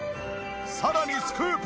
さらにスクープ！